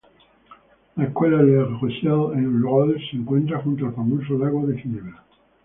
La escuela Le Rosey en Rolle se encuentra junto al famoso lago de Ginebra.